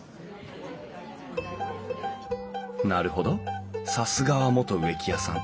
なるほどさすがは元植木屋さん。